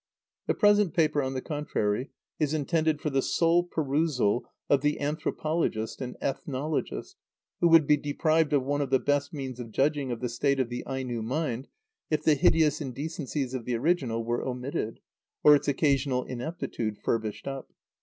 The present paper, on the contrary, is intended for the sole perusal of the anthropologist and ethnologist, who would be deprived of one of the best means of judging of the state of the Aino mind if the hideous indecencies of the original were omitted, or its occasional ineptitude furbished up.